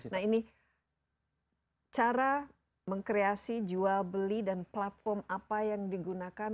nah ini cara mengkreasi jual beli dan platform apa yang digunakan